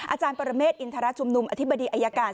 อาจารย์ปรเมฆอินทรชุมนุมอธิบดีอายการ